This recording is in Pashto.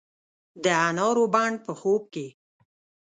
د انارو بڼ په خوب کې